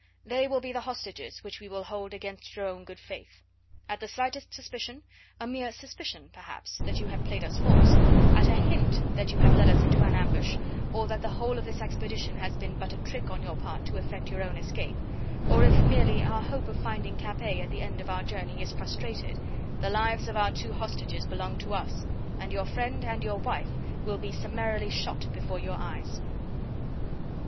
They will be the hostages which we will hold against your own good faith. At the slightest suspicion a mere suspicion perhaps that you have played us false, at a hint that you have led us into an ambush, or that the whole of this expedition has been but a trick on your part to effect your own escape, or if merely our hope of finding Capet at the end of our journey is frustrated, the lives of our two hostages belong to us, and your friend and your wife will be summarily shot before your eyes."